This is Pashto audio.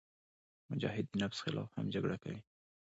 مجاهد د نفس خلاف هم جګړه کوي.